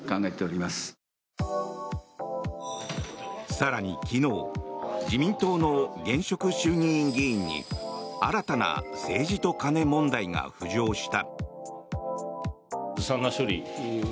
更に昨日自民党の現職衆議院議員に新たな政治と金問題が浮上した。